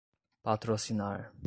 patrocinar